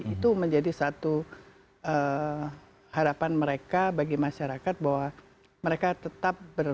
itu menjadi satu harapan mereka bagi masyarakat bahwa mereka tetap berada